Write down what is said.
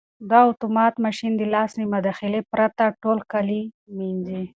دا اتومات ماشین د لاس له مداخلې پرته ټول کالي مینځي.